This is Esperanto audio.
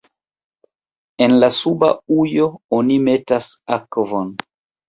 En la suba ujo oni metas akvon.